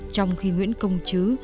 trong khi nguyễn công chứ